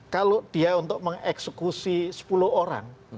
kalau dia untuk mengeksekusi sepuluh orang